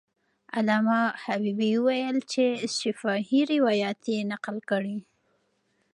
علامه حبیبي وویل چې شفاهي روایت یې نقل کړی.